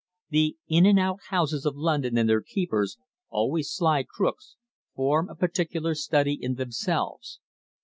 The "in and out" houses of London and their keepers, always sly crooks, form a particular study in themselves.